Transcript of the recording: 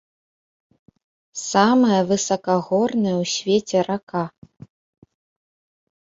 Самая высакагорная ў свеце рака.